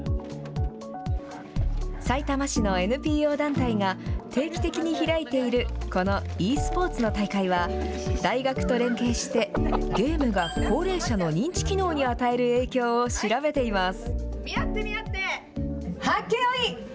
さいたま市のＮＰＯ団体が定期的に開いているこのｅスポーツの大会は、大学と連携して、ゲームが高齢者の認知機能に与える影響を調べています。